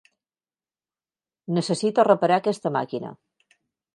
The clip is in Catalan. Necessito reparar aquesta màquina.